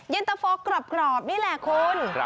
ตะโฟกรอบนี่แหละคุณ